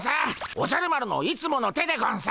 おじゃる丸のいつもの手でゴンス。